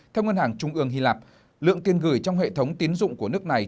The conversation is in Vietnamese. theo ngân hàng trung ương hy lạp lượng tiền gửi trong hệ thống tiến dụng của nước này